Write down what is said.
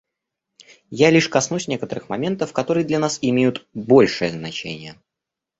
Я лишь коснусь некоторых моментов, которые для нас имеют большое значение.